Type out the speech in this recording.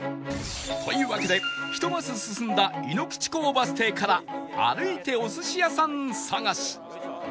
というわけで１マス進んだ井口港バス停から歩いてお寿司屋さん探し